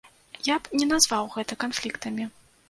Я б не назваў гэта канфліктамі.